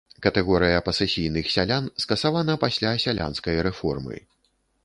Катэгорыя пасэсійных сялян скасавана пасля сялянскай рэформы.